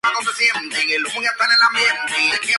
La gira principalmente alcanzó los Estados Unidos.